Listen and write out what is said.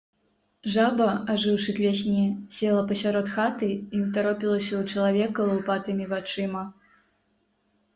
Жаба, ажыўшы к вясне, села пасярод хаты і ўтаропілася ў чалавека лупатымі вачыма.